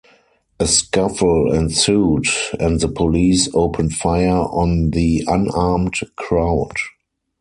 A scuffle ensued, and the police opened fire on the unarmed crowd.